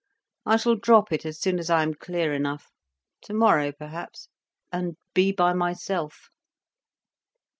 I shall drop it as soon as I am clear enough—tomorrow perhaps—and be by myself."